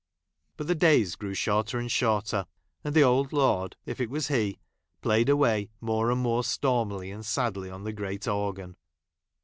But the days grew shorter and shorter ; and the old lord, if it was he, played away more and more stormily and sadly on the great organ.